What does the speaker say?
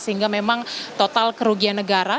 sehingga memang total kerugian negara